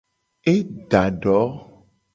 E da do.